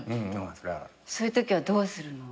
そういうときはどうするの？